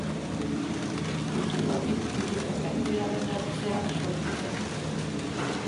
Kultura hori Titikaka aintziraren ertzean sortu zen.